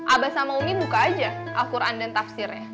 abah sama umi buka aja al quran dan tafsirnya